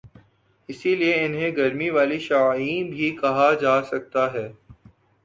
اسی لئے انہیں گرمی والی شعاعیں بھی کہا جاسکتا ہے